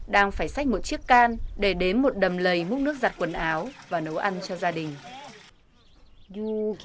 đang phải xách một chiếc can để đếm một đầm lầy múc nước giặt quần áo và nấu ăn cho gia đình